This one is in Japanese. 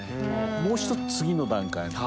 もう一つ次の段階に。